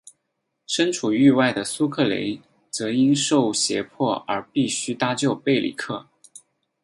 身处狱外的苏克雷则因受胁迫而必须搭救贝里克。